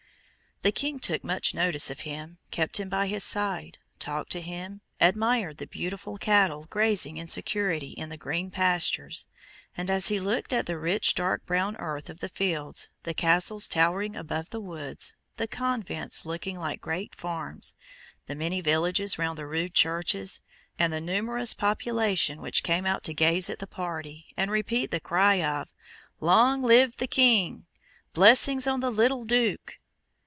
The King took much notice of him, kept him by his side, talked to him, admired the beautiful cattle grazing in security in the green pastures, and, as he looked at the rich dark brown earth of the fields, the Castles towering above the woods, the Convents looking like great farms, the many villages round the rude Churches, and the numerous population who came out to gaze at the party, and repeat the cry of "Long live the King! Blessings on the little Duke!"